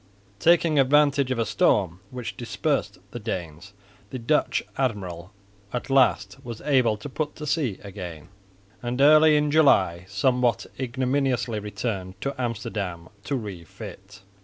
Taking advantage of a storm which dispersed the Danes, the Dutch admiral at last was able to put to sea again, and early in July somewhat ignominiously returned to Amsterdam to refit.